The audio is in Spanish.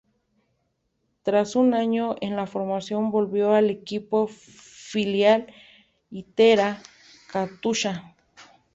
Tras un año en la formación, volvió al equipo filial Itera-Katusha.